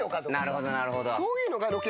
なるほどなるほど。